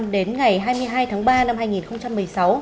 đến ngày hai mươi hai tháng ba năm hai nghìn một mươi sáu